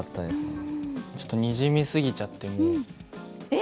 ちょっとにじみ過ぎちゃってもう。え！？